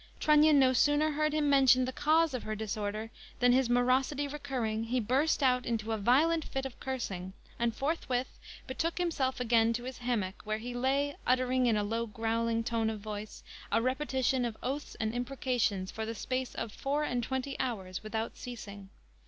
Trunnion no sooner heard him mention the cause of her disorder, than his morosity recurring, he burst out into a violent fit of cursing, and forthwith betook himself again to his hammock, where he lay, uttering, in a low growling tone of voice, a repetition of oaths and imprecations, for the space of four and twenty hours, without ceasing.